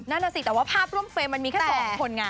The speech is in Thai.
นั่นน่ะสิแต่ว่าภาพร่วมเฟรมมันมีแค่สองคนไง